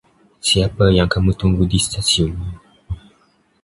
Siapa yang kamu tunggu di stasiun?